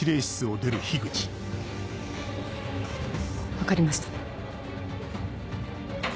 分かりました。